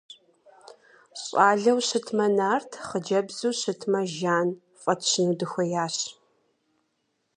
Щӏалэу щытмэ Нарт, хъыджэбзу щытмэ Жан фӏэтщыну дыхуеящ.